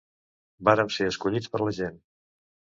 Vàrem ser escollits per la gent.